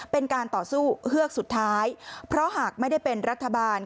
เป็นการต่อสู้เฮือกสุดท้ายเพราะหากไม่ได้เป็นรัฐบาล